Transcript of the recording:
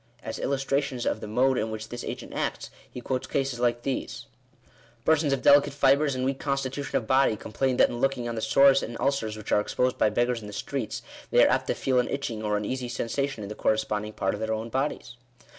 As illustrations of the mode in which this agent acts, he quotes cases like these :— "Persons of delicate fibres, and weak constitution of body, complain that in looking on the sores and ulcers which are ex posed by beggars in the streets, they are apt to feel an itching or uneasy sensation in the corresponding part of their own bodies."